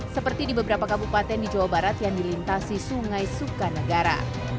seperti di beberapa kabupaten di jawa barat yang dilintasi sungai sukanegara